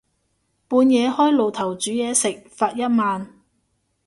半夜開爐頭煮嘢食，罰一萬